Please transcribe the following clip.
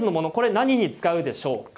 何に使うでしょうか。